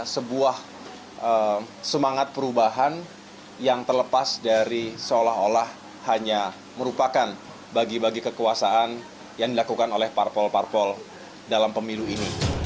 sebuah semangat perubahan yang terlepas dari seolah olah hanya merupakan bagi bagi kekuasaan yang dilakukan oleh parpol parpol dalam pemilu ini